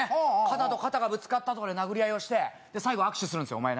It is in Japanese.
肩と肩がぶつかったとかで殴り合いをしてで最後握手するんですよお前